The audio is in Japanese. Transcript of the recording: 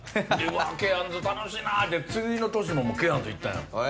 ケアンズ楽しいなって次の年もケアンズ行ったんや。